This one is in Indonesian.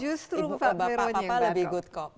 bapak bapak lebih good cop